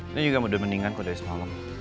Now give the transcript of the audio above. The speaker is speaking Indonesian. ini juga mudah mendingan kok dari semalam